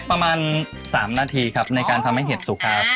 ประมาณ๓นาทีครับในการทำให้เห็ดสุกครับ